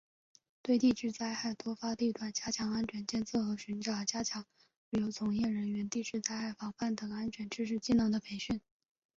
对地质灾害多发地段加强安全监测和巡查；加强旅游从业人员地质灾害防范等安全知识技能的培训